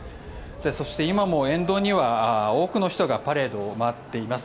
そして今も沿道には多くの人がパレードを待っています。